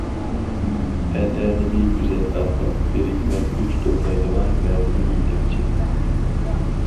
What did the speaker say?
ئەنئەنىۋى گۈزەل ئەخلاق بىرىكمە كۈچ توپلايدىغان مەنىۋى يېتەكچى.